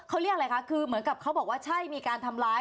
เขาเรียกอะไรคะคือเหมือนกับเขาบอกว่าใช่มีการทำร้าย